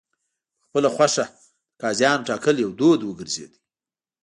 په خپله خوښه د قاضیانو ټاکل یو دود وګرځېد.